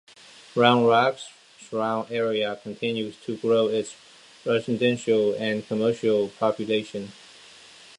Round Rock's surround area continues to grow its residential and commercial population.